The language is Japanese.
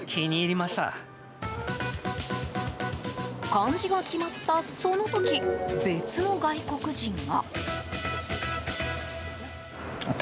漢字が決まったその時別の外国人が。